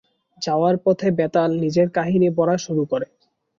যাওয়ার পথে বেতাল নিজের কাহিনী বলা শুরু করে।